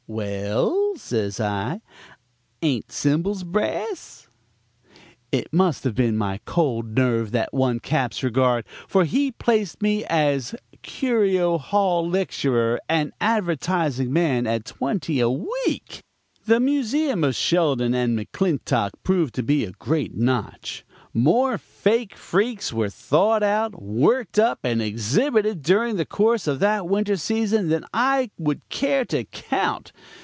"'Well,' says I, 'ain't cymbals brass?' "It must have been my cold nerve that won Cap.'s regard, for he placed me as 'curio hall' lecturer and advertising man at twenty a week. "The museum of Sheldon & McClintock proved to be a great notch. More fake freaks were thought out, worked up and exhibited during the course of that winter season than I would care to count.